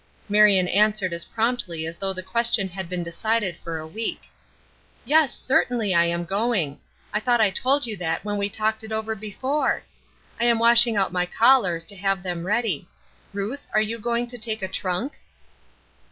Marion answered as promptly as though the question had been decided for a week. "Yes, certainly I am going. I thought I told you that when we talked it over before. I am washing out my collars to have them ready. Ruth, are you going to take a trunk?"